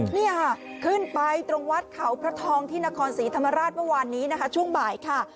นี่ค่ะขึ้นไปตรงวัดเขาพระทองที่นครศรีธรรมราชเมื่อวานนี้นะคะช่วงบ่ายค่ะ